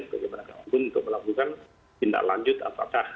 sebagai mereka pun untuk melakukan tindak lanjut apakah